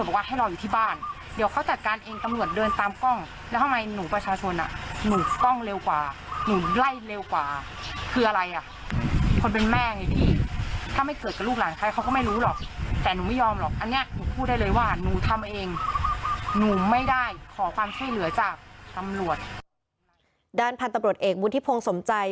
พันธุ์ตำรวจเอกวุฒิพงศ์สมใจ